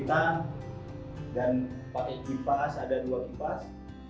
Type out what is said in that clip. kita dan pakai kipas ada dua kipas